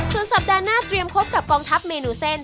ส่วนสัปดาห์หน้าเตรียมพบกับกองทัพเมนูเส้น